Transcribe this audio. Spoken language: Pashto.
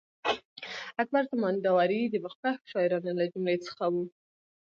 اکبر زمینداوری د مخکښو شاعرانو له جملې څخه وو.